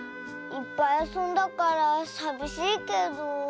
いっぱいあそんだからさびしいけど。